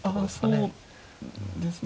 そうですね。